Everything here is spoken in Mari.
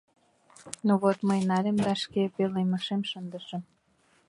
Ну вот, мый нальым да шке пӧлемешем шындышым.